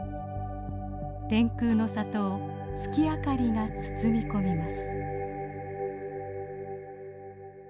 天空の里を月明かりが包み込みます。